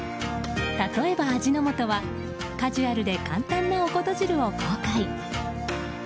例えば、味の素はカジュアルで簡単なお事汁を公開。